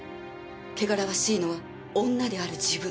汚らわしいのは女である自分。